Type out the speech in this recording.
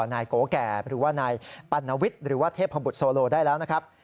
นายโกแก่หรือว่านายปัณวิทย์หรือว่าเทพบุตรโซโลได้แล้วนะครับ